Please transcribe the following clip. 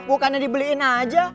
bukannya dibeliin aja